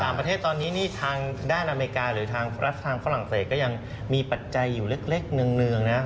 ต่างประเทศตอนนี้นี่ทางด้านอเมริกาหรือทางรัฐทางฝรั่งเศสก็ยังมีปัจจัยอยู่เล็กเนืองนะ